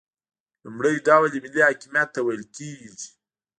لومړی ډول یې ملي حاکمیت ته ویل کیږي.